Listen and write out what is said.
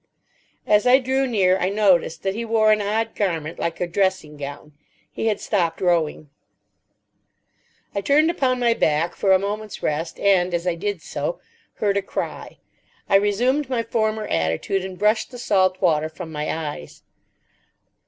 As I drew near, I noticed that he wore an odd garment like a dressing gown. He had stopped rowing. I turned upon my back for a moment's rest, and, as I did so, heard a cry. I resumed my former attitude, and brushed the salt water from my eyes.